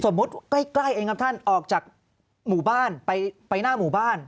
ใกล้เองครับท่านออกจากหมู่บ้านไปหน้าหมู่บ้าน